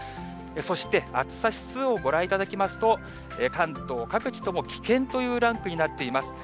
そして暑さ指数をご覧いただきますと、関東各地とも危険というランクになっています。